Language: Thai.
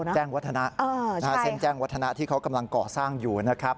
แจ้งวัฒนะที่เขากำลังก่อสร้างอยู่นะครับ